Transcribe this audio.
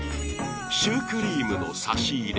シュークリームの差し入れ